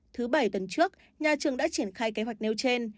thứ bảy tuần trước nhà trường đã triển khai kế hoạch nêu trên